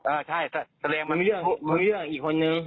อ่าใช่แสดงมันมีเรื่องกับอีกคนนึง